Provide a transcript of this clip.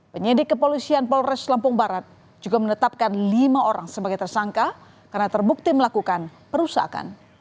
penyidik kepolisian polres lampung barat juga menetapkan lima orang sebagai tersangka karena terbukti melakukan perusakan